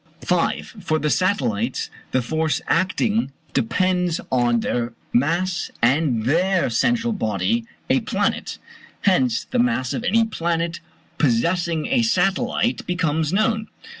5. For the satellites, the force acting depends on the mass of their central body, a planet. Hence the mass of any planet possessing a satellite becomes known.